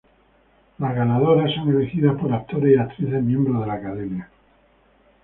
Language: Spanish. Las ganadoras son elegidas por actores y actrices miembros de la Academia.